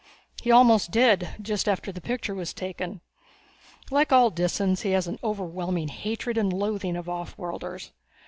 "He almost did just after the picture was taken. Like all Disans, he has an overwhelming hatred and loathing of offworlders.